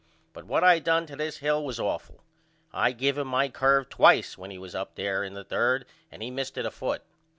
But what I done to this Hill was awful. I give him my curve twice when he was up there in the 3d and he missed it a foot.